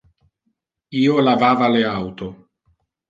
Io lavava le auto.